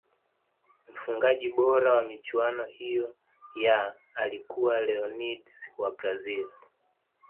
mfungaji bora wa michuano hiyo ya alikuwa leonids wa Brazil